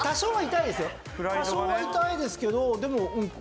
多少は痛いですけどでもこういう。